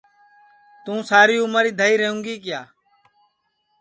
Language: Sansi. توں ساری عمر اِدھائی رئوں گی کیا